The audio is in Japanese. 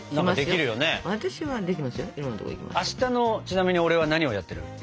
明日のちなみに俺は何をやってる？